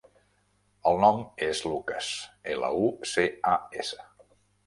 El nom és Lucas: ela, u, ce, a, essa.